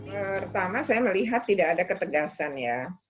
pertama saya melihat tidak ada ketegasan ya